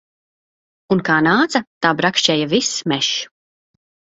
Un kā nāca, tā brakšķēja viss mežs.